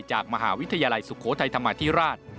จากมหาวิทยาลัยสุโขทัยธรรมาธิราช